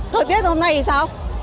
thời tiết hôm nay thì sao